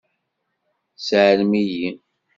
Seɛlem-iyi.